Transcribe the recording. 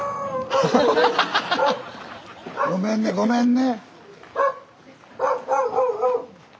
ごめんねごめんね。